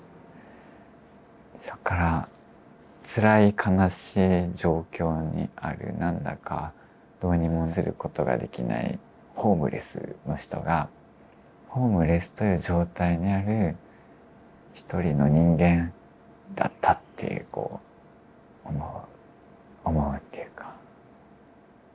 そこからつらい悲しい状況にあるなんだかどうにもすることができないホームレスの人がホームレスという状態にある一人の人間だったって思うっていうか。